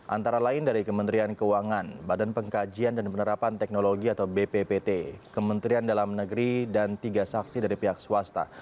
antara lain dari kementerian keuangan badan pengkajian dan penerapan teknologi atau bppt kementerian dalam negeri dan tiga saksi dari pihak swasta